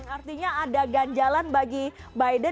artinya ada ganjalan bagi biden